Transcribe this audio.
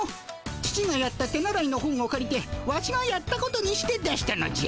父がやった手習いの本をかりてワシがやったことにして出したのじゃ。